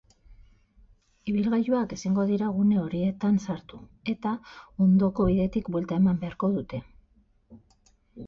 Ibilgailuak ezingo dira gune horietan sartu eta ondoko bidetik buelta eman beharko dute.